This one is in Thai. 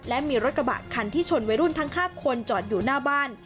และมีรถกระบะคันที่ชนวัยรุ่นทั้ง๕คนจอดอยู่หน้าบ้าน